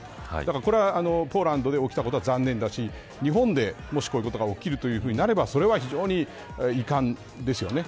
だから、これがポーランドで起きたことは残念だし日本でもし、こういうことが起きるとなればそれは非常に遺憾ですよね。